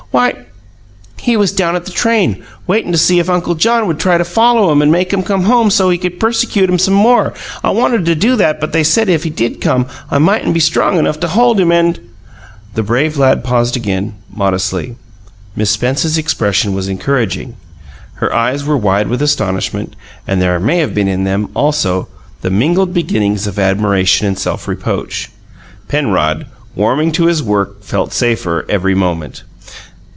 "Why, he was down at the train, waitin' to see if Uncle John would try to follow 'em and make 'em come home so's he could persecute 'em some more. I wanted to do that, but they said if he did come I mightn't be strong enough to hold him and " The brave lad paused again, modestly. Miss Spence's expression was encouraging. Her eyes were wide with astonishment, and there may have been in them, also, the mingled beginnings of admiration and self reproach. Penrod, warming to his work, felt safer every moment.